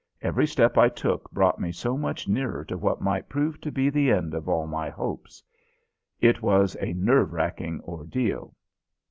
Every step I took brought me so much nearer to what might prove to be the end of all my hopes. It was a nerve racking ordeal.